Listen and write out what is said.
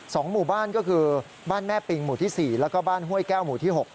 หมู่บ้านก็คือบ้านแม่ปิงหมู่ที่๔แล้วก็บ้านห้วยแก้วหมู่ที่หก